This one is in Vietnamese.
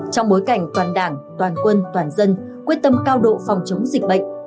trong bối cảnh toàn đảng toàn quân toàn dân quyết tâm cao độ phòng chống dịch bệnh